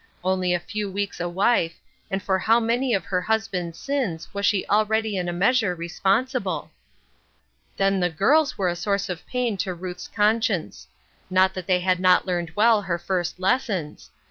Only a few weeks a wife, and for how many of her husband's sins was she already in a measure responsible ? Then the girls were a source of pain to Ruth's conscience. Not that they had not learned well Jier first lessons.